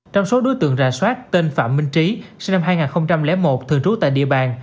trong số đối tượng rà soát tên phạm minh trí sinh năm hai nghìn một thường trú tại địa bàn